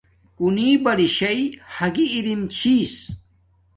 کُنِݵ بَرِشݳئی ہَگِݵ رِم چھݵس.